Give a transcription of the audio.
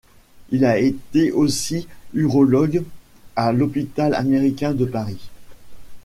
Il a été aussi urologue à l'Hôpital américain de Paris.